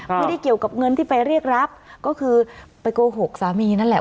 ไม่ได้เกี่ยวกับเงินที่ไปเรียกรับก็คือไปโกหกสามีนั่นแหละ